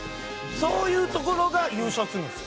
そういうところが優勝するんですよ。